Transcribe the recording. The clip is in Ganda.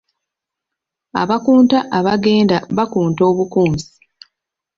Abakunta abaagenda bakunta obukunsi.